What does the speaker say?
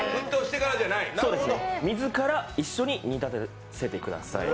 水から一緒に煮立たせてください。